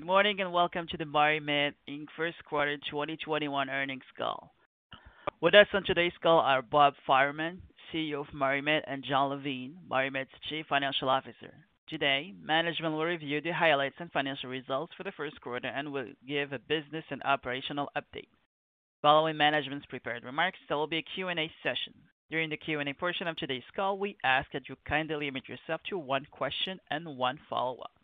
Good morning, welcome to the MariMed Inc. First Quarter 2021 earnings call. With us on today's call are Bob Fireman, Chief Executive Officer of MariMed, and Jon Levine, MariMed's Chief Financial Officer. Today, management will review the highlights and financial results for the first quarter and will give a business and operational update. Following management's prepared remarks, there will be a Q&A session. During the Q&A portion of today's call, we ask that you kindly limit yourself to one question and one follow-up. A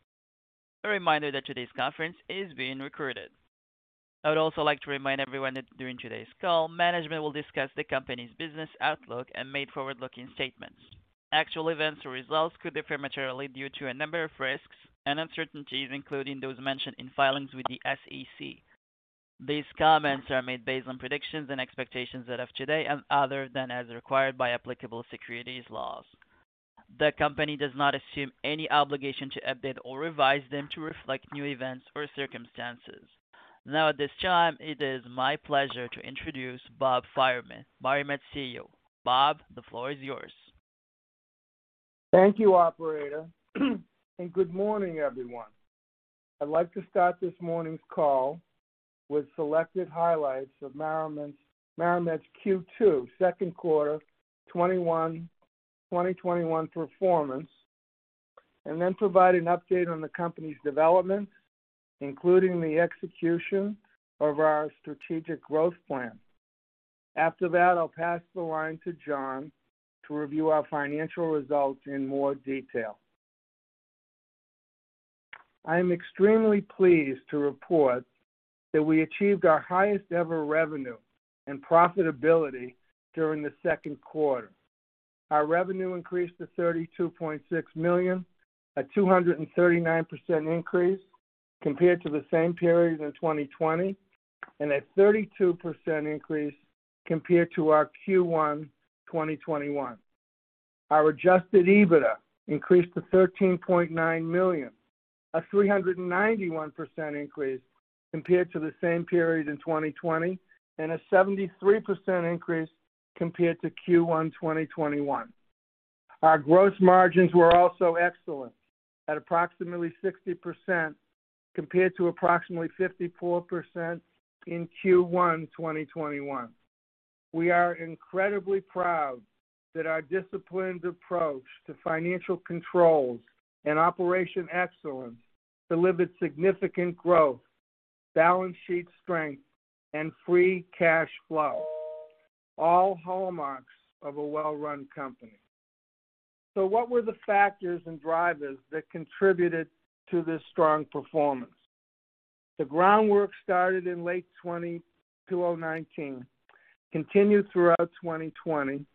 reminder that today's conference is being recorded. I would also like to remind everyone that during today's call, management will discuss the company's business outlook and may forward-looking statements. Actual events or results could differ materially due to a number of risks and uncertainties, including those mentioned in filings with the SEC. These comments are made based on predictions and expectations as of today other than as required by applicable securities laws. The company does not assume any obligation to update or revise them to reflect new events or circumstances. At this time, it is my pleasure to introduce Bob Fireman, MariMed's CEO. Bob, the floor is yours. Thank you, operator, and good morning, everyone. I'd like to start this morning's call with selected highlights of MariMed's Q2 second quarter 2021 performance, and then provide an update on the company's developments, including the execution of our strategic growth plan. After that, I'll pass the line to Jon to review our financial results in more detail. I am extremely pleased to report that we achieved our highest ever revenue and profitability during the second quarter. Our revenue increased to $32.6 million, a 239% increase compared to the same period in 2020, and a 32% increase compared to our Q1 2021. Our adjusted EBITDA increased to $13.9 million, a 391% increase compared to the same period in 2020 and a 73% increase compared to Q1 2021. Our gross margins were also excellent at approximately 60% compared to approximately 54% in Q1 2021. We are incredibly proud that our disciplined approach to financial controls and operation excellence delivered significant growth, balance sheet strength, and free cash flow, all hallmarks of a well-run company. What were the factors and drivers that contributed to this strong performance? The groundwork started in late 2019, continued throughout 2020,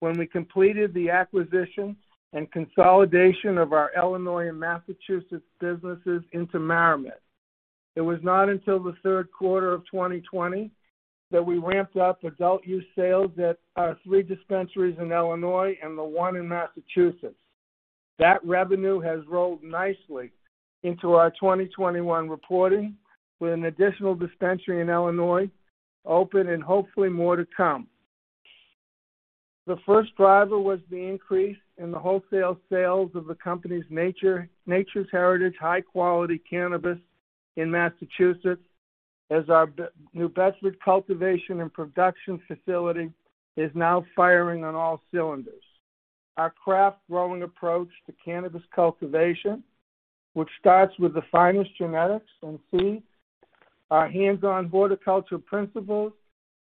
when we completed the acquisition and consolidation of our Illinois and Massachusetts businesses into MariMed. It was not until the third quarter of 2020 that we ramped up adult use sales at our three dispensaries in Illinois and the one in Massachusetts. That revenue has rolled nicely into our 2021 reporting, with an additional dispensary in Illinois open and hopefully more to come. The first driver was the increase in the wholesale sales of the company's Nature's Heritage high-quality cannabis in Massachusetts as our New Bedford cultivation and production facility is now firing on all cylinders. Our craft growing approach to cannabis cultivation, which starts with the finest genetics and seeds, our hands-on horticulture principles,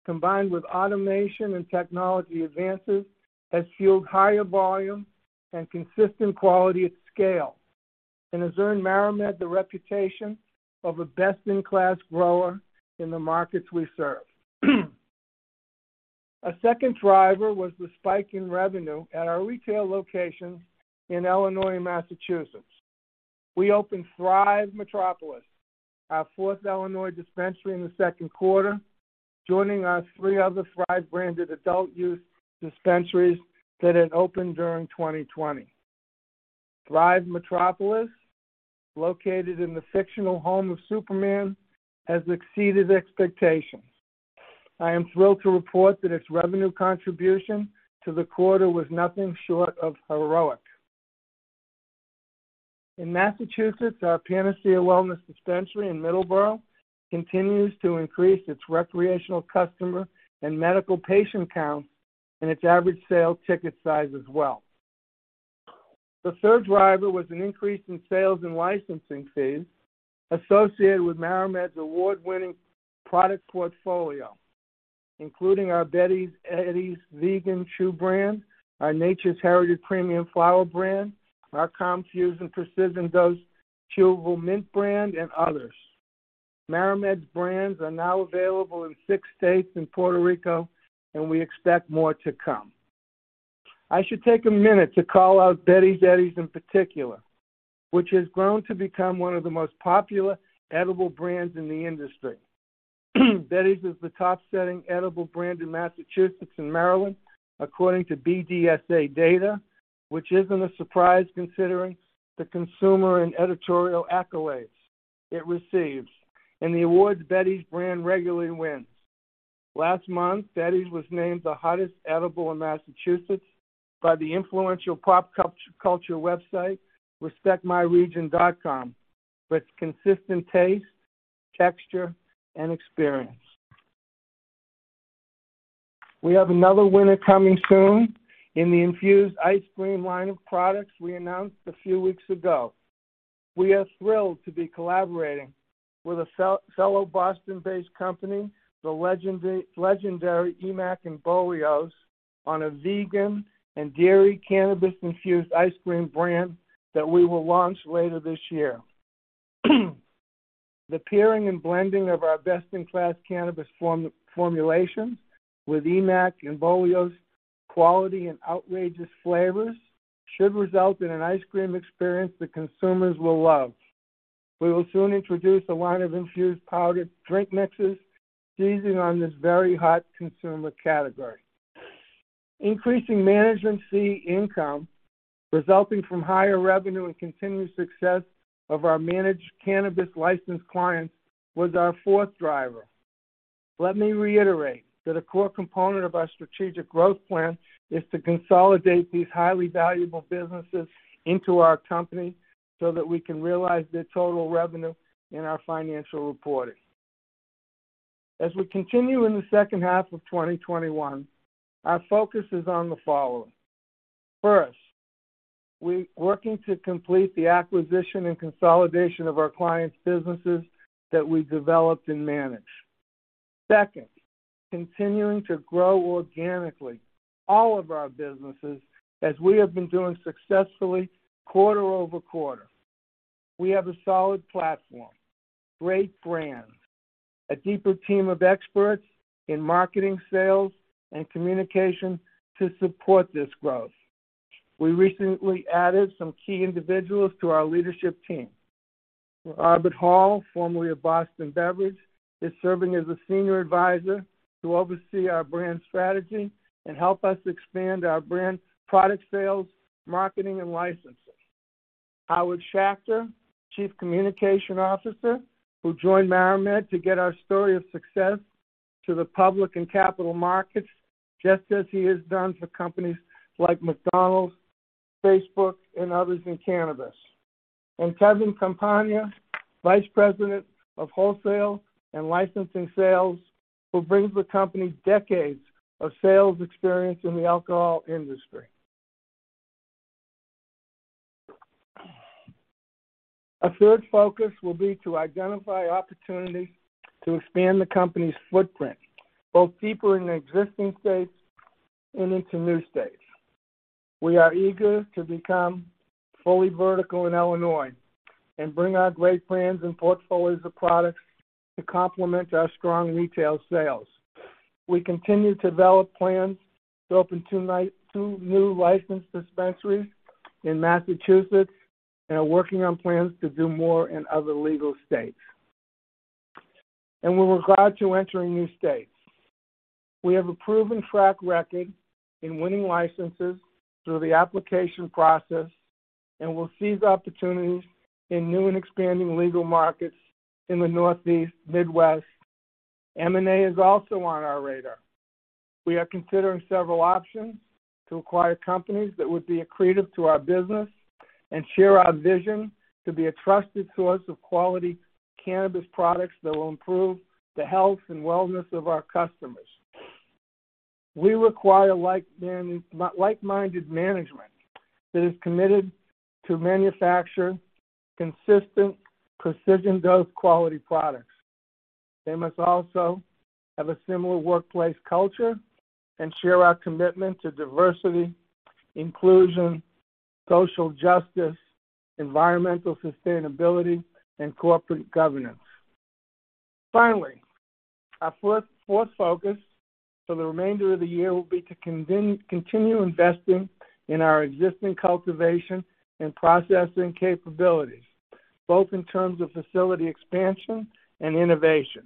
combined with automation and technology advances, has fueled higher volume and consistent quality at scale and has earned MariMed the reputation of a best-in-class grower in the markets we serve. A second driver was the spike in revenue at our retail locations in Illinois and Massachusetts. We opened Thrive Metropolis, our fourth Illinois dispensary, in the second quarter, joining our three other Thrive-branded adult use dispensaries that had opened during 2020. Thrive Metropolis, located in the fictional home of Superman, has exceeded expectations. I am thrilled to report that its revenue contribution to the quarter was nothing short of heroic. In Massachusetts, our Panacea Wellness dispensary in Middleborough continues to increase its recreational customer and medical patient count and its average sale ticket size as well. The third driver was an increase in sales and licensing fees associated with MariMed's award-winning product portfolio, including our Betty's Eddies vegan chew brand, our Nature's Heritage premium flower brand, our Kalm Fusion precision-dose chewable mint brand, and others. MariMed's brands are now available in six states and Puerto Rico, and we expect more to come. I should take a minute to call out Betty's Eddies in particular, which has grown to become one of the most popular edible brands in the industry. Betty's is the top-selling edible brand in Massachusetts and Maryland, according to BDSA data, which isn't a surprise considering the consumer and editorial accolades it receives and the awards Betty's brand regularly wins. Last month, Betty's was named the hottest edible in Massachusetts by the influential pop culture website, respectmyregion.com, with consistent taste, texture, and experience. We have another winner coming soon in the infused ice cream line of products we announced a few weeks ago. We are thrilled to be collaborating with a fellow Boston-based company, the legendary Emack & Bolio's, on a vegan and dairy cannabis-infused ice cream brand that we will launch later this year. The pairing and blending of our best-in-class cannabis formulations with Emack & Bolio's quality and outrageous flavors should result in an ice cream experience that consumers will love. We will soon introduce a line of infused powdered drink mixes seizing on this very hot consumer category. Increasing management fee income resulting from higher revenue and continued success of our managed cannabis licensed clients was our fourth driver. Let me reiterate that a core component of our strategic growth plan is to consolidate these highly valuable businesses into our company so that we can realize their total revenue in our financial reporting. As we continue in the second half of 2021, our focus is on the following. First, we're working to complete the acquisition and consolidation of our clients' businesses that we developed and managed. Second, continuing to grow organically all of our businesses, as we have been doing successfully quarter-over-quarter. We have a solid platform, great brands, a deeper team of experts in marketing, sales, and communication to support this growth. We recently added some key individuals to our leadership team. Robert Hall, formerly of Boston Beverage, is serving as a senior advisor to oversee our brand strategy and help us expand our brand product sales, marketing, and licensing. Howard Schachter, Chief Communications Officer, who joined MariMed to get our story of success to the public and capital markets, just as he has done for companies like McDonald's, Facebook, and others in cannabis. Kevin Compagna, Vice President, Wholesale and Licensing Sales, who brings the company decades of sales experience in the alcohol industry. A third focus will be to identify opportunities to expand the company's footprint, both deeper into existing states and into new states. We are eager to become fully vertical in Illinois and bring our great plans and portfolios of products to complement our strong retail sales. We continue to develop plans to open two new licensed dispensaries in Massachusetts and are working on plans to do more in other legal states. We're glad to enter new states. We have a proven track record in winning licenses through the application process and will seize opportunities in new and expanding legal markets in the Northeast, Midwest. M&A is also on our radar. We are considering several options to acquire companies that would be accretive to our business and share our vision to be a trusted source of quality cannabis products that will improve the health and wellness of our customers. We require like-minded management that is committed to manufacture consistent, precision-dose quality products. They must also have a similar workplace culture and share our commitment to diversity, inclusion, social justice, environmental sustainability, and corporate governance. Finally, our fourth focus for the remainder of the year will be to continue investing in our existing cultivation and processing capabilities, both in terms of facility expansion and innovation.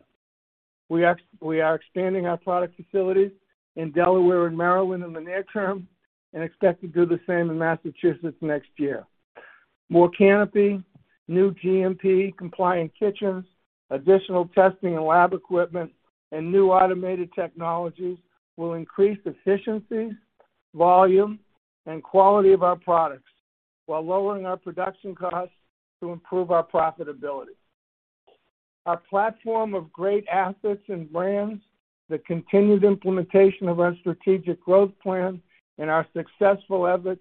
We are expanding our product facilities in Delaware and Maryland in the near term and expect to do the same in Massachusetts next year. More canopy, new GMP-compliant kitchens, additional testing and lab equipment, and new automated technologies will increase efficiency, volume, and quality of our products while lowering our production costs to improve our profitability. Our platform of great assets and brands, the continued implementation of our strategic growth plan, and our successful efforts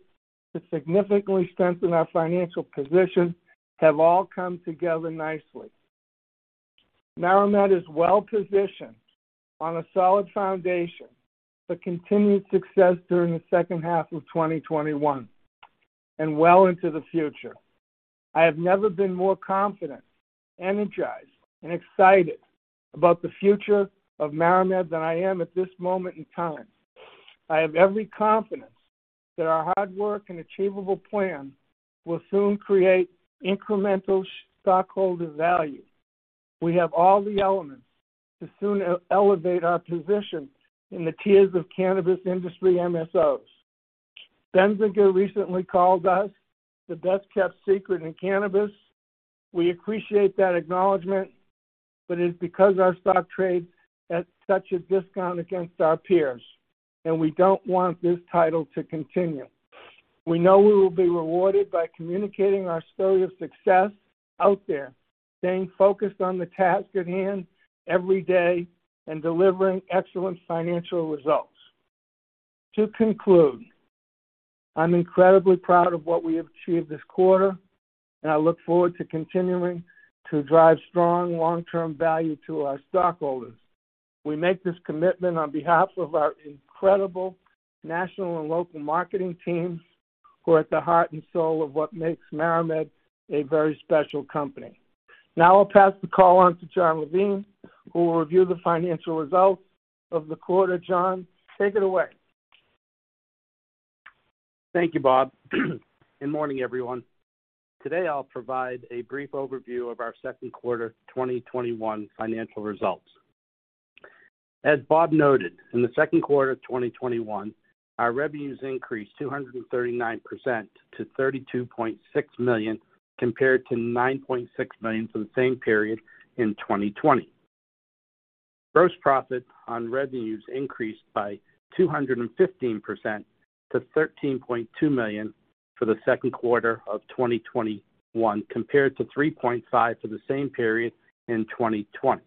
to significantly strengthen our financial position have all come together nicely. MariMed is well-positioned on a solid foundation for continued success during the second half of 2021 and well into the future. I have never been more confident, energized, and excited about the future of MariMed than I am at this moment in time. I have every confidence that our hard work and achievable plan will soon create incremental stockholder value. We have all the elements to soon elevate our position in the tiers of cannabis industry MSOs. Benzinga recently called us the best-kept secret in cannabis. We appreciate that acknowledgment, it is because our stock trades at such a discount against our peers, and we don't want this title to continue. We know we will be rewarded by communicating our story of success out there, staying focused on the task at hand every day, and delivering excellent financial results. To conclude, I'm incredibly proud of what we have achieved this quarter, and I look forward to continuing to drive strong long-term value to our stockholders. We make this commitment on behalf of our incredible national and local marketing teams, who are at the heart and soul of what makes MariMed a very special company. Now I'll pass the call on to Jon Levine, who will review the financial results of the quarter. Jon, take it away. Thank you, Bob. Good morning, everyone. Today, I'll provide a brief overview of our second quarter 2021 financial results. As Bob noted, in the second quarter of 2021, our revenues increased 239% to $32.6 million, compared to $9.6 million for the same period in 2020. Gross profit on revenues increased by 215% to $13.2 million for the second quarter of 2021, compared to $3.5 million for the same period in 2020.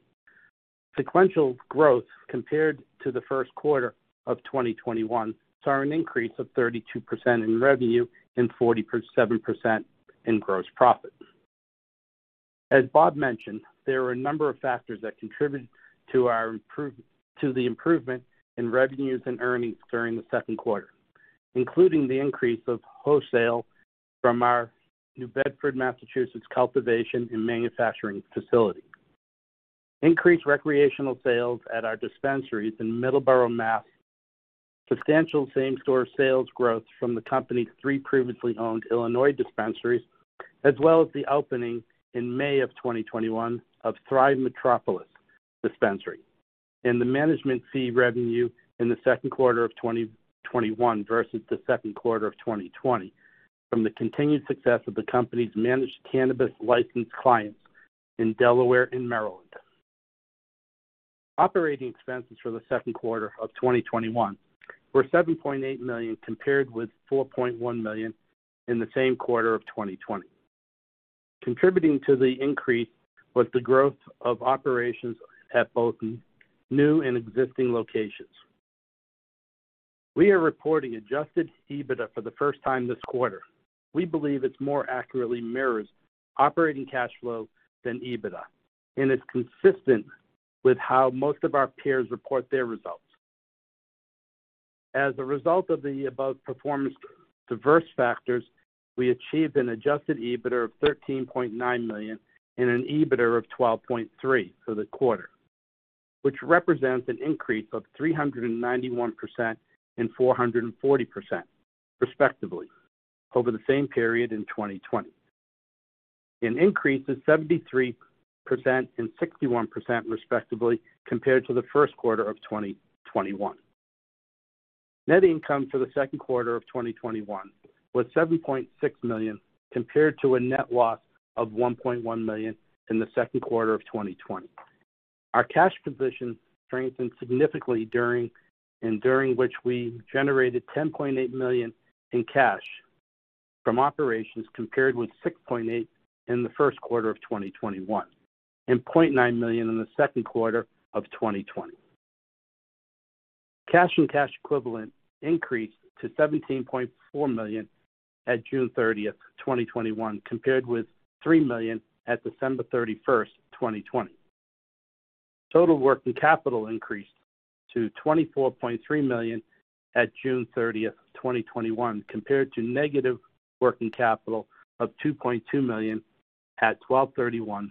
Sequential growth compared to the first quarter of 2021, saw an increase of 32% in revenue and 47% in gross profit. As Bob mentioned, there are a number of factors that contribute to the improvement in revenues and earnings during the second quarter, including the increase of wholesale from our New Bedford, Massachusetts, cultivation and manufacturing facility, increased recreational sales at our dispensaries in Middleborough, Mass, substantial same-store sales growth from the company's three previously owned Illinois dispensaries, as well as the opening in May of 2021 of Thrive Metropolis dispensary, and the management fee revenue in the second quarter of 2021 versus the second quarter of 2020 from the continued success of the company's managed cannabis licensed clients in Delaware and Maryland. Operating expenses for the second quarter of 2021 were $7.8 million, compared with $4.1 million in the same quarter of 2020. Contributing to the increase was the growth of operations at both new and existing locations. We are reporting adjusted EBITDA for the first time this quarter. We believe it more accurately mirrors operating cash flow than EBITDA and is consistent with how most of our peers report their results. As a result of the above performance drivers, we achieved an adjusted EBITDA of $13.9 million and an EBITDA of $12.3 for the quarter, which represents an increase of 391% and 440%, respectively, over the same period in 2020, an increase of 73% and 61%, respectively, compared to the first quarter of 2021. Net income for the second quarter of 2021 was $7.6 million, compared to a net loss of $1.1 million in the second quarter of 2020. Our cash position strengthened significantly, during which we generated $10.8 million in cash from operations, compared with $6.8 in the first quarter of 2021, and $0.9 million in the second quarter of 2020. Cash and cash equivalent increased to $17.4 million at June 30th, 2021, compared with $3 million at December 31st, 2020. Total working capital increased to $24.3 million at June 30th, 2021, compared to negative working capital of $2.2 million at 12/31/2020.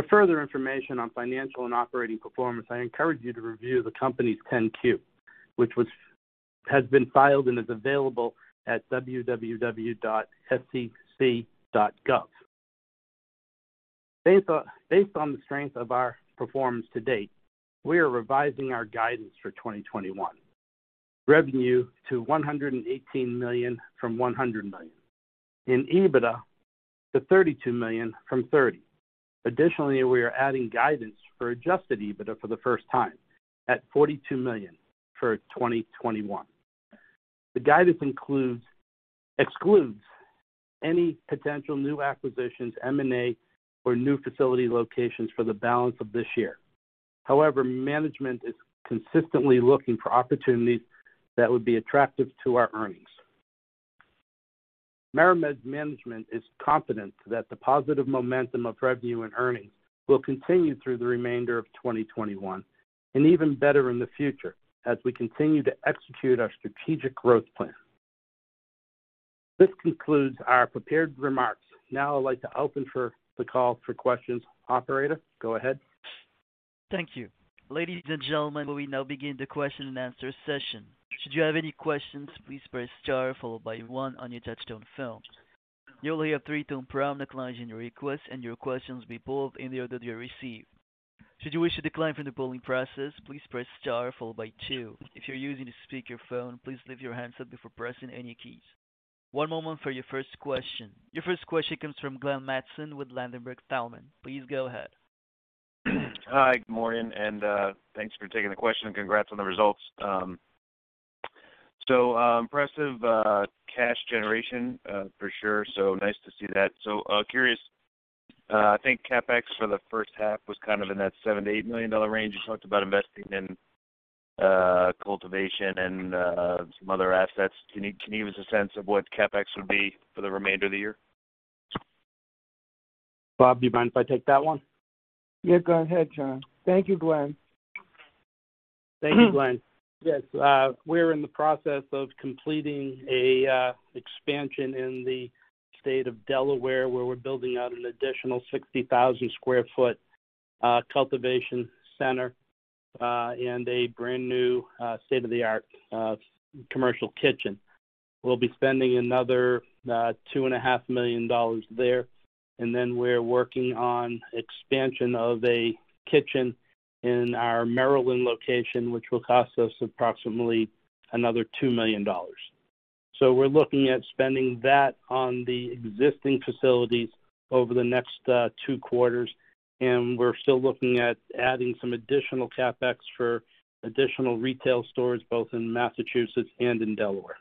For further information on financial and operating performance, I encourage you to review the company's 10-Q, which has been filed and is available at www.sec.gov. Based on the strength of our performance to date, we are revising our guidance for 2021 revenue to $118 million from $100 million, and EBITDA to $32 million from $30 million. Additionally, we are adding guidance for adjusted EBITDA for the first time at $42 million for 2021. The guidance excludes any potential new acquisitions, M&A, or new facility locations for the balance of this year. However, management is consistently looking for opportunities that would be attractive to our earnings. MariMed management is confident that the positive momentum of revenue and earnings will continue through the remainder of 2021 and even better in the future as we continue to execute our strategic growth plan. This concludes our prepared remarks. Now I'd like to open the call for questions. Operator, go ahead. Thank you. Ladies and gentlemen, we now begin the question-and-answer session. Should you have any questions, please press star followed by one on your touch-tone phone. You will hear a three-tone prompt acknowledging your request, and your question will be pulled in the order that you receive. Should you wish to decline from the polling process, please press star followed by two. If you're using a speakerphone, please lift your handset before pressing any keys. One moment for your first question. Your first question comes from Glenn Mattson with Ladenburg Thalmann. Please go ahead. Hi. Good morning. Thanks for taking the question, and congrats on the results. Impressive cash generation, for sure. Nice to see that. Curious, I think CapEx for the first half was kind of in that $7 million-$8 million range. You talked about investing in cultivation and some other assets. Can you give us a sense of what CapEx would be for the remainder of the year? Bob, do you mind if I take that one? Yeah, go ahead, Jon. Thank you, Glenn. Thank you, Glenn. Yes. We're in the process of completing an expansion in the state of Delaware, where we're building out an additional 60,000 sq ft cultivation center, and a brand-new, state-of-the-art commercial kitchen. We'll be spending another $2.5 million there. We're working on expansion of a kitchen in our Maryland location, which will cost us approximately another $2 million. We're looking at spending that on the existing facilities over the next two quarters, and we're still looking at adding some additional CapEx for additional retail stores, both in Massachusetts and in Delaware.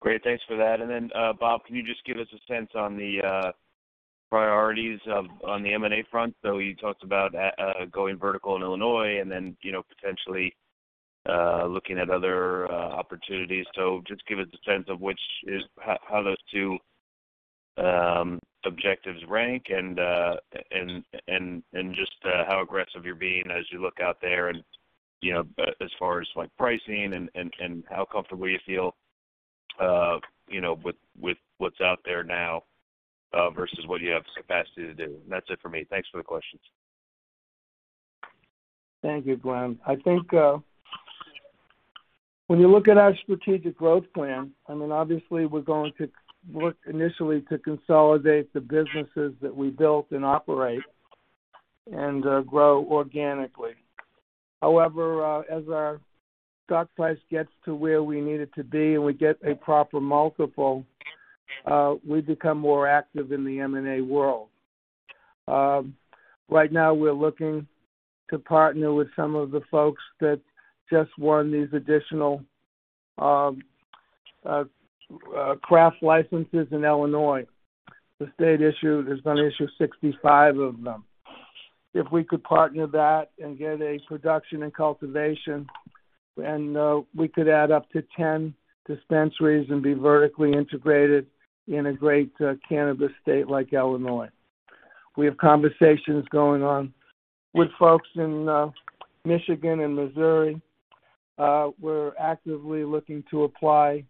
Great. Thanks for that. Bob, can you just give us a sense on the priorities on the M&A front? You talked about going vertical in Illinois and then potentially looking at other opportunities. Just give us a sense of how those two objectives rank and just how aggressive you're being as you look out there, and as far as pricing and how comfortable you feel with what's out there now, versus what you have the capacity to do. That's it for me. Thanks for the questions. Thank you, Glenn. I think, when you look at our strategic growth plan, obviously we're going to look initially to consolidate the businesses that we built and operate and grow organically. As our stock price gets to where we need it to be and we get a proper multiple, we become more active in the M&A world. Right now, we're looking to partner with some of the folks that just won these additional craft licenses in Illinois. The state is going to issue 65 of them. If we could partner that and get a production and cultivation, then we could add up to 10 dispensaries and be vertically integrated in a great cannabis state like Illinois. We have conversations going on with folks in Michigan and Missouri. We're actively looking to apply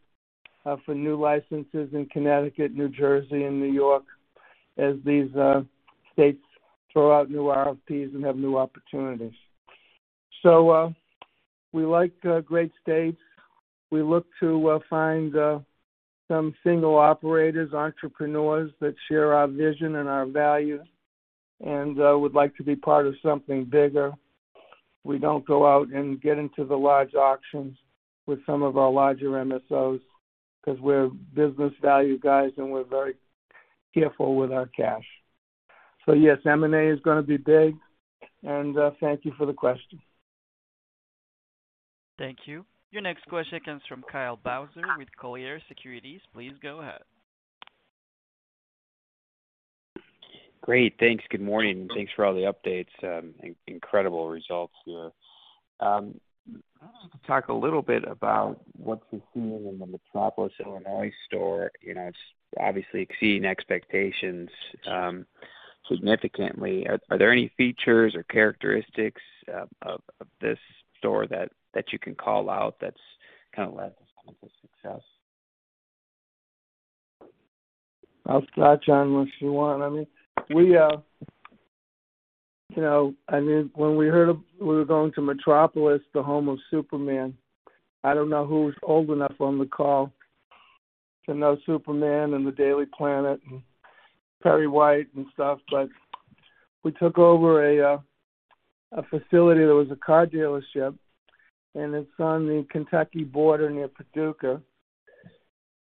for new licenses in Connecticut, New Jersey, and New York as these states throw out new RFPs and have new opportunities. We like great states. We look to find some single operators, entrepreneurs that share our vision and our values, and would like to be part of something bigger. We don't go out and get into the large auctions with some of our larger MSOs because we're business value guys, and we're very careful with our cash. Yes, M&A is going to be big, and thank you for the question. Thank you. Your next question comes from Kyle Bauser with Colliers Securities. Please go ahead. Great. Thanks. Good morning. Thanks for all the updates. Incredible results here. I wanted to talk a little bit about what you're seeing in the Metropolis, Illinois store. It's obviously exceeding expectations significantly. Are there any features or characteristics of this store that you can call out that's kind of led to its success? I'll start, Jon, unless you want. When we heard we were going to Metropolis, the home of Superman, I don't know who's old enough on the call to know Superman and The Daily Planet and Perry White and stuff, but we took over a facility that was a car dealership, and it's on the Kentucky border near Paducah.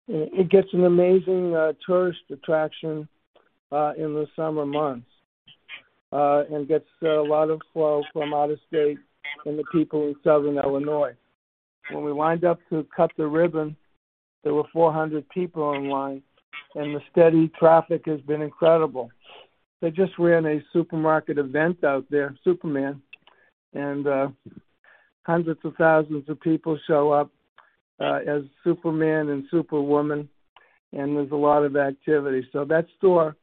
It gets an amazing tourist attraction in the summer months, and gets a lot of flow from out of state and the people in southern Illinois. When we wind up to cut the ribbon, there were 400 people in line, and the steady traffic has been incredible. They just ran a Superman event out there, and hundreds of thousands of people show up as Superman and Superwoman, and there's a lot of activity. That store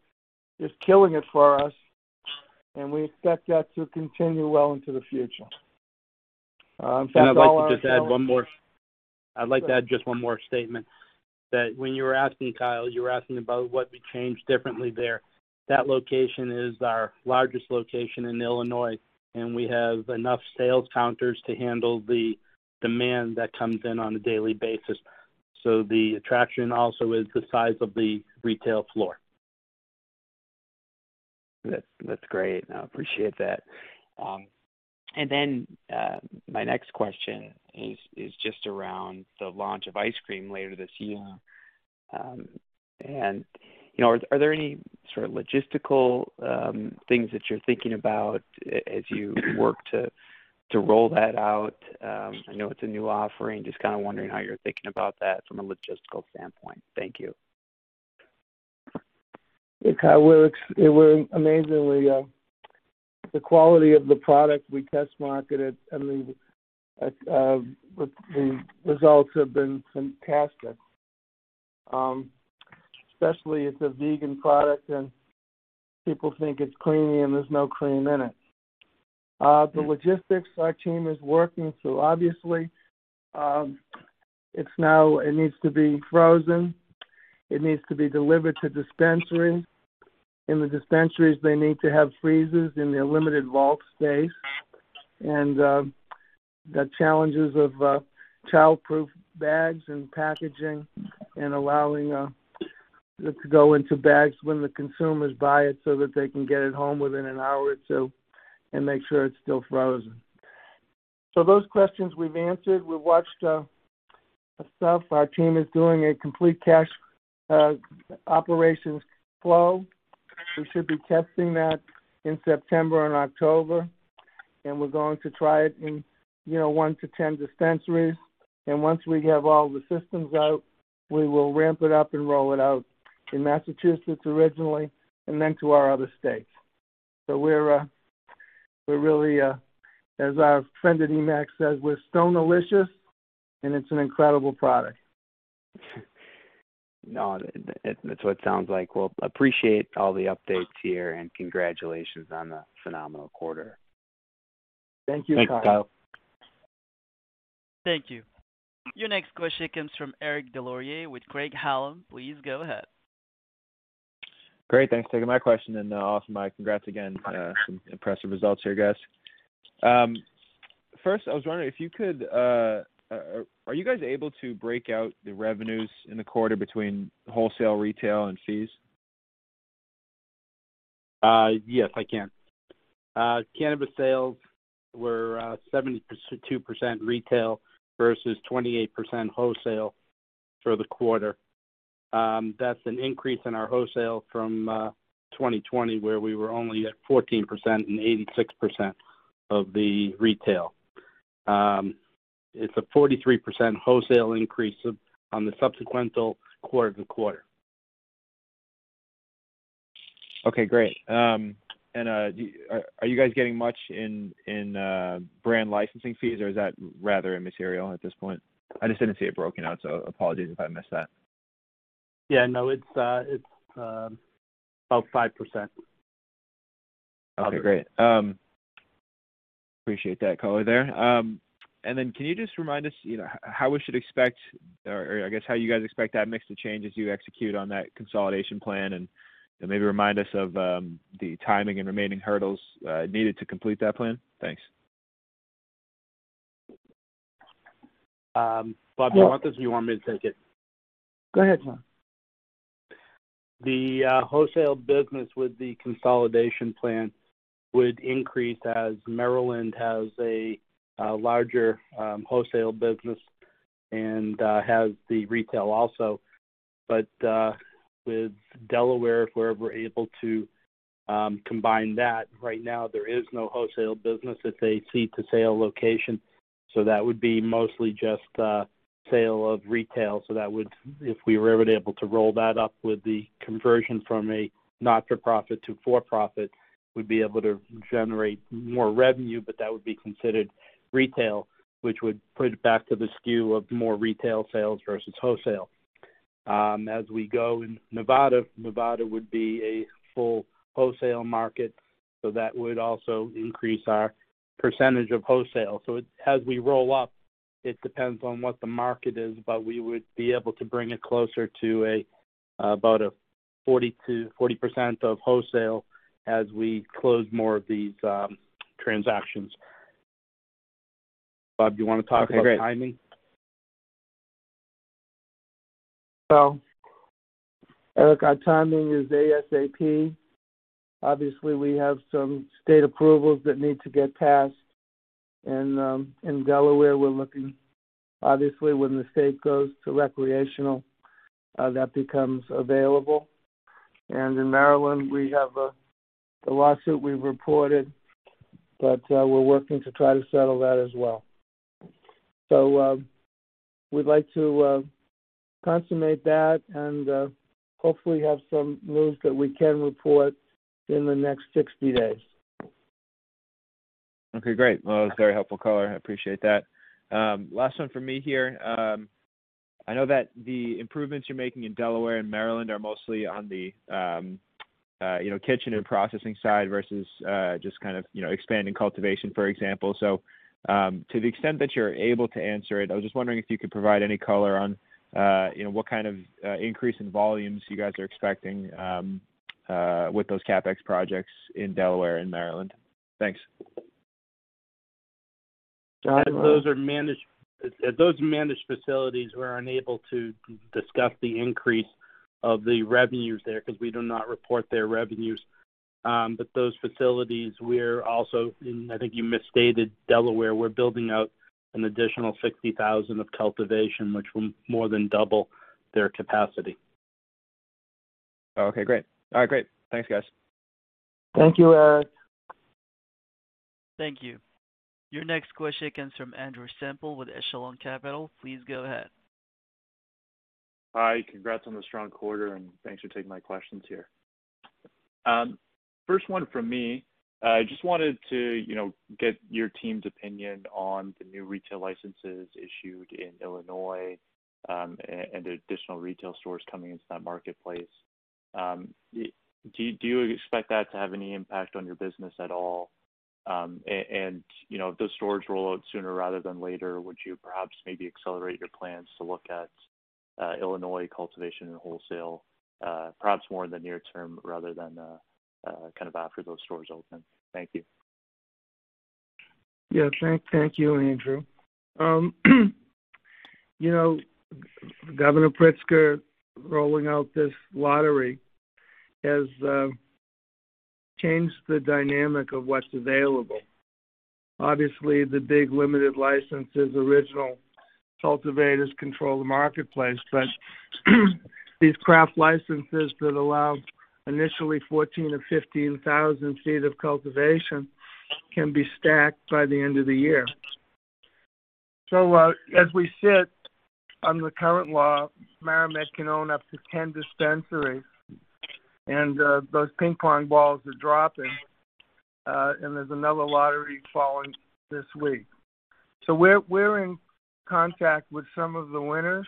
is killing it for us, and we expect that to continue well into the future. I'd like to just add one more. I'd like to add just one more statement. When you were asking, Kyle, you were asking about what we changed differently there. That location is our largest location in Illinois, and we have enough sales counters to handle the demand that comes in on a daily basis. The attraction also is the size of the retail floor. That's great. I appreciate that. My next question is just around the launch of ice cream later this year. Are there any sort of logistical things that you're thinking about as you work to roll that out? I know it's a new offering. Just kind of wondering how you're thinking about that from a logistical standpoint. Thank you. Hey, Kyle. It went amazingly. The quality of the product we test marketed, the results have been fantastic, especially as a vegan product, and people think it's creamy and there's no cream in it. The logistics our team is working, so obviously, it needs to be frozen. It needs to be delivered to dispensaries. In the dispensaries, they need to have freezers in their limited vault space. The challenges of childproof bags and packaging and allowing it to go into bags when the consumers buy it so that they can get it home within an hour or two and make sure it's still frozen. Those questions we've answered. We've watched stuff. Our team is doing a complete cash operations flow. We should be testing that in September and October, and we're going to try it in 1-10 dispensaries. Once we have all the systems out, we will ramp it up and roll it out in Massachusetts originally, then to our other states. As our friend at Emack says, we're stonelicious, and it's an incredible product. No, that's what it sounds like. Well, appreciate all the updates here, and congratulations on the phenomenal quarter. Thank you, Kyle. Thanks, Kyle. Thank you. Your next question comes from Eric Des Lauriers with Craig-Hallum. Please go ahead. Great. Thanks for taking my question. Awesome. nice, congrats again. Some impressive results here, guys. First, are you guys able to break out the revenues in the quarter between wholesale, retail, and fees? Yes, I can. Cannabis sales were 72% retail versus 28% wholesale for the quarter. That's an increase in our wholesale from 2020, where we were only at 14% and 86% of the retail. It's a 43% wholesale increase on the subsequential quarter-to-quarter. Okay, great. Are you guys getting much in brand licensing fees, or is that rather immaterial at this point? I just didn't see it broken out, so apologies if I missed that. Yeah. No, it's about 5%. Okay, great. Appreciate that color there. Can you just remind us how we should expect, or I guess how you guys expect that mix to change as you execute on that consolidation plan and maybe remind us of the timing and remaining hurdles needed to complete that plan? Thanks. Bob, do you want this, or you want me to take it? Go ahead, Jon. The wholesale business with the consolidation plan would increase as Maryland has a larger wholesale business and has the retail also. With Delaware, if we're ever able to combine that, right now there is no wholesale business at the seed-to-sale location. That would be mostly just sale of retail. If we were ever able to roll that up with the conversion from a not-for-profit to for-profit, we'd be able to generate more revenue, but that would be considered retail, which would put it back to the skew of more retail sales versus wholesale. As we go in Nevada would be a full wholesale market, so that would also increase our percentage of wholesale. As we roll up, it depends on what the market is, but we would be able to bring it closer to about 40% of wholesale as we close more of these transactions. Bob, do you want to talk about timing? Well, Eric, our timing is ASAP. We have some state approvals that need to get passed. In Delaware, we're looking, when the state goes to recreational, that becomes available. In Maryland, we have the lawsuit we've reported, we're working to try to settle that as well. We'd like to consummate that and hopefully have some moves that we can report in the next 60 days. Okay, great. Well, that was very helpful color. I appreciate that. Last one from me here. I know that the improvements you're making in Delaware and Maryland are mostly on the kitchen and processing side versus just kind of expanding cultivation, for example. To the extent that you're able to answer it, I was just wondering if you could provide any color on what kind of increase in volumes you guys are expecting with those CapEx projects in Delaware and Maryland. Thanks. Those are managed facilities. We're unable to discuss the increase of the revenues there because we do not report their revenues. Those facilities, we're also, and I think you misstated Delaware, we're building out an additional 60,000 sq ft of cultivation, which will more than double their capacity. Okay, great. All right, great. Thanks, guys. Thank you, Eric. Thank you. Your next question comes from Andrew Semple with Echelon Capital. Please go ahead. Hi. Congrats on the strong quarter, and thanks for taking my questions here. First one from me. I just wanted to get your team's opinion on the new retail licenses issued in Illinois, and the additional retail stores coming into that marketplace. Do you expect that to have any impact on your business at all? If those stores roll out sooner rather than later, would you perhaps maybe accelerate your plans to look at Illinois cultivation and wholesale, perhaps more in the near term rather than, kind of after those stores open? Thank you. Thank you, Andrew Semple. Governor Pritzker rolling out this lottery has changed the dynamic of what's available. Obviously, the big limited licenses, original cultivators control the marketplace, but these craft licenses that allow initially 14,000 ft or 15,000 ft of cultivation can be stacked by the end of the year. As we sit under the current law, MariMed can own up to 10 dispensaries. Those ping pong balls are dropping, and there's another lottery falling this week. We're in contact with some of the winners.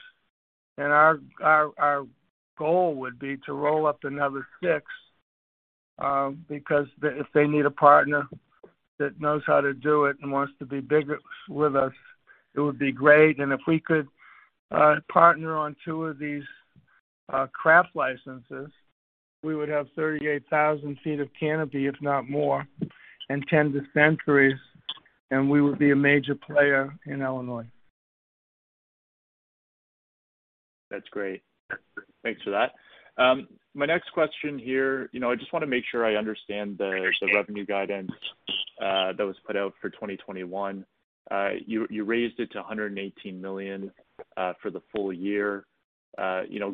Our goal would be to roll up another six, because if they need a partner that knows how to do it and wants to be big with us, it would be great. If we could partner on two of these craft licenses, we would have 38,000 ft of canopy, if not more, and 10 dispensaries, and we would be a major player in Illinois. That's great. Thanks for that. My next question here, I just want to make sure. I understand the revenue guidance that was put out for 2021. You raised it to $118 million for the full year.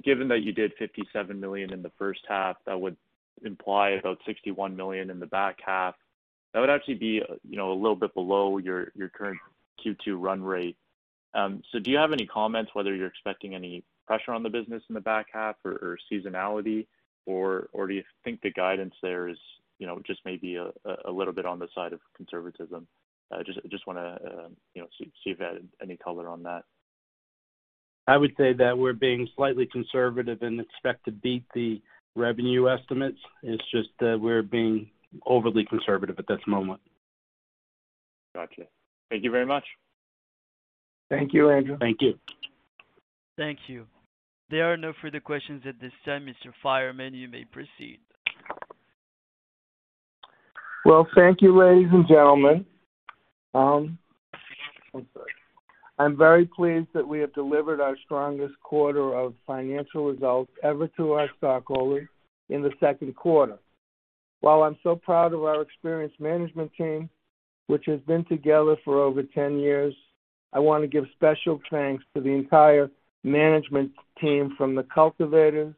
Given that you did $57 million in the first half, that would imply about $61 million in the back half. That would actually be a little bit below your current Q2 run rate. Do you have any comments whether you're expecting any pressure on the business in the back half or seasonality, or do you think the guidance there is just maybe a little bit on the side of conservatism? I just want to see if you've had any color on that. I would say that we're being slightly conservative and expect to beat the revenue estimates. It's just that we're being overly conservative at this moment. Got you. Thank you very much. Thank you, Andrew. Thank you. Thank you. There are no further questions at this time. Mr. Fireman, you may proceed. Well, thank you, ladies and gentlemen. I'm very pleased that we have delivered our strongest quarter of financial results ever to our stockholders in the second quarter. While I'm so proud of our experienced management team, which has been together for over 10 years, I want to give special thanks to the entire management team, from the cultivators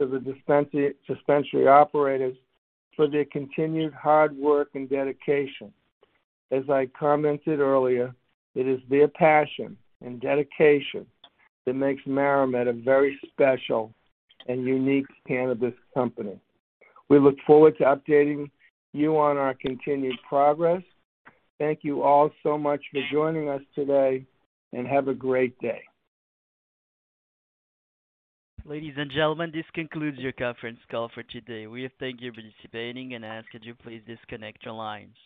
to the dispensary operators for their continued hard work and dedication. As I commented earlier, it is their passion and dedication that makes MariMed a very special and unique cannabis company. We look forward to updating you on our continued progress. Thank you all so much for joining us today, and have a great day. Ladies and gentlemen, this concludes your conference call for today. We thank you for participating and ask that you please disconnect your lines.